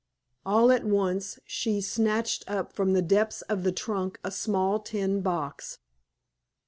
All at once she snatched up from the depths of the trunk a small tin box.